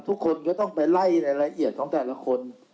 ทุกคนก็ต้องไปไล่รายละเอียดของแต่ละคน